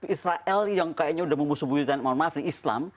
israel yang kayaknya udah memusuh budi dan mohon maaf nih islam